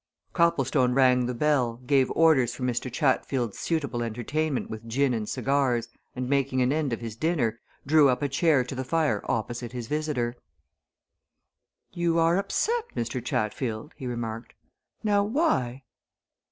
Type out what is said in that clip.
Copplestone rang the bell, gave orders for Mr. Chatfield's suitable entertainment with gin and cigars, and making an end of his dinner, drew up a chair to the fire opposite his visitor. "You are upset, Mr. Chatfield?" he remarked. "Now, why?"